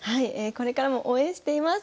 これからも応援しています。